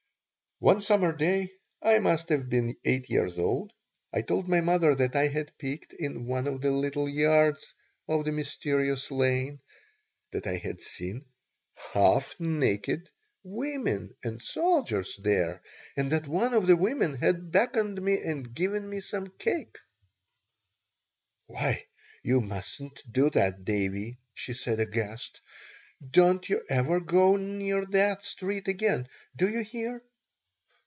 One summer day I must have been eight years old I told my mother that I had peeked in one of the little yards of the mysterious lane, that I had seen half naked women and soldiers there, and that one of the women had beckoned me in and given me some cake "Why, you mustn't do that, Davie!" she said, aghast. "Don't you ever go near that street again! Do you hear?"